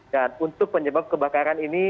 dan untuk penyebab kebakaran ini